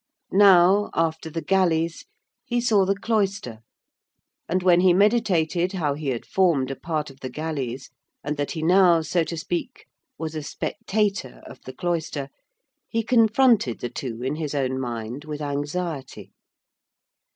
Now, after the galleys, he saw the cloister; and when he meditated how he had formed a part of the galleys, and that he now, so to speak, was a spectator of the cloister, he confronted the two in his own mind with anxiety.